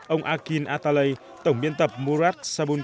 ông akin atalay tổng biên tập murat